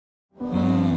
うん。